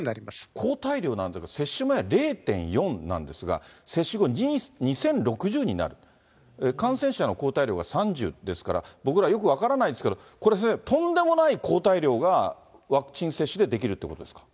抗体量は、接種前は０．４なんですが、接種後２０６０になる、感染者の抗体量が３０ですから、僕ら、よく分からないんですけど、これ、とんでもない抗体量がワクチン接種で出来るっていうことですか？